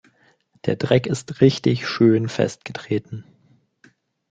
Der Dreck ist richtig schön festgetreten.